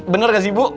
bener gak sih ibu